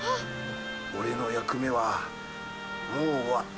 俺の役目はもう終わった。